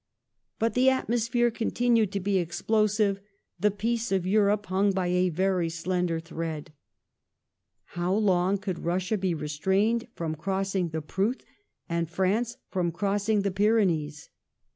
^ But the atmosphere continued to be ^plosive ; the peace of Europe hung by a very slender thread. "How long could Russia be re strained from crossing the Pruth, and France from crossing the Pyrenees